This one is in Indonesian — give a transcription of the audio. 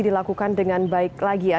dilakukan dengan baik lagi ya